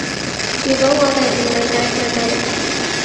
如果我哋唔理解佢哋